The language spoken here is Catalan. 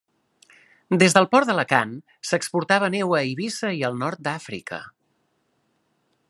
Des del port d'Alacant s'exportava neu a Eivissa i al nord d'Àfrica.